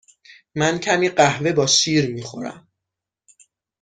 من کمی قهوه با شیر می خورم.